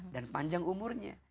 dan panjang umurnya